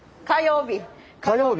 火曜日。